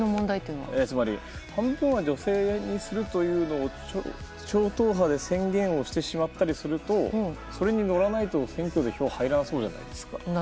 つまり、半分は女性にするというのを超党派で宣言してしまったりするとそれに乗らないと選挙で票が入らなさそうじゃないですか。